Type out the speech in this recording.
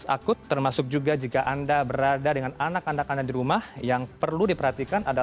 atau hindari orang sakit